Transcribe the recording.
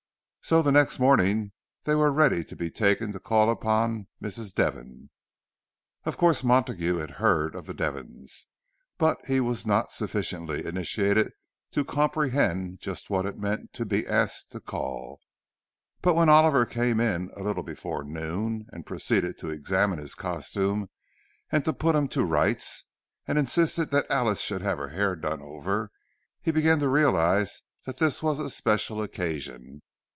So the next morning they were ready to be taken to call upon Mrs. Devon. Of course Montague had heard of the Devons, but he was not sufficiently initiated to comprehend just what it meant to be asked to call. But when Oliver came in, a little before noon, and proceeded to examine his costume and to put him to rights, and insisted that Alice should have her hair done over, he began to realize that this was a special occasion.